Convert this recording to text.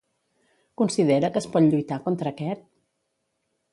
Considera que es pot lluitar contra aquest?